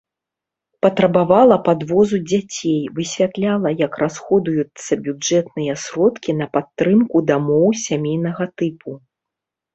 Патрабавала падвозу дзяцей, высвятляла, як расходуюцца бюджэтныя сродкі на падтрымку дамоў сямейнага тыпу.